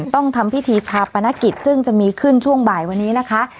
ต้องทำพิธีชาปนกิจซึ่งจะมีขึ้นช่วงบ่ายวันนี้นะคะ